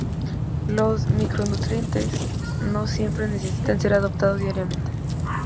Los micronutrientes no siempre necesitan ser aportados diariamente.